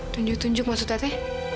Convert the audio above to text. tunjuk tunjuk maksud tete